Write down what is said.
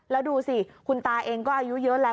แล้วดูสิคุณตาเองก็อายุเยอะแล้ว